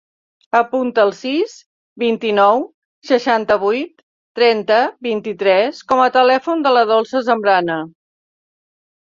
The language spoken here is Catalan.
Apunta el sis, vint-i-nou, seixanta-vuit, trenta, vint-i-tres com a telèfon de la Dolça Zambrana.